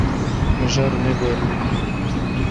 Mijarê neguherîne.